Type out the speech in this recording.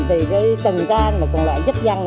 vì cái trần trang mà còn lại giúp dân